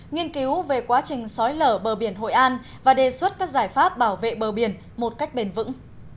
nghiên cứu về quá trình sói lở bờ biển hội an và đề xuất các giải pháp bảo vệ bờ biển một cách bền vững